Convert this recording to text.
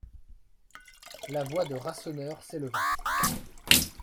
La voix de Rasseneur s'éleva.